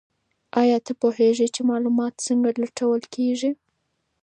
ایا ته پوهېږې چې معلومات څنګه لټول کیږي؟